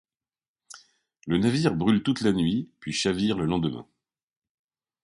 Le navire brûle toute la nuit puis chavire le lendemain.